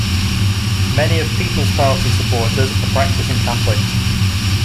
Many of People's Party supporters are practicing Catholics.